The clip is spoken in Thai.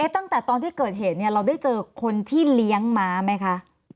ตั้งแต่ตอนที่เกิดเหตุเราได้เจอคนที่เลี้ยงม้าไหมคะ